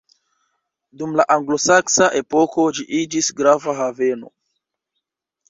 Dum la anglosaksa epoko ĝi iĝis grava haveno.